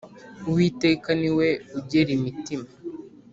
uwiteka ni we ugera imitima